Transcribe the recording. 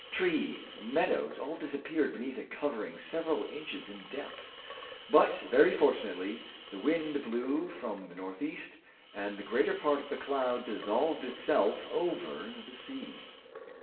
Trees, meadows, all disappeared beneath a covering several inches in depth. But, very fortunately, the wind blew from the northeast, and the greater part of the cloud dissolved itself over the sea.